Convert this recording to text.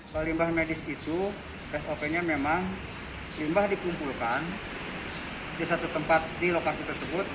kalau limbah medis itu sop nya memang limbah dikumpulkan di satu tempat di lokasi tersebut